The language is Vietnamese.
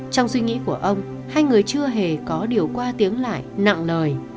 trong suy nghĩ của ông hai người chưa hề có điều qua tiếng lại nặng nề